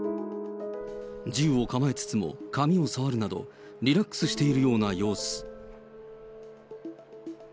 銃を構えつつも、髪を触るなど、リラックスしているような様子。